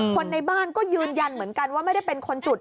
คนในบ้านก็ยืนยันเหมือนกันว่าไม่ได้เป็นคนจุด